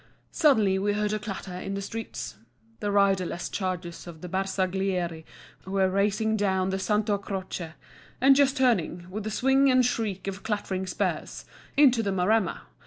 Suddenly we heard a clatter in the streets. The riderless chargers of the Bersaglieri were racing down the Santo Croce, and just turning, with a swing and shriek of clattering spurs, into the Maremma.